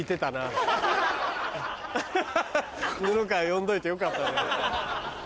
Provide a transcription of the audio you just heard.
アハハ布川呼んどいてよかったね。